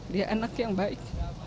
dia anak yang baik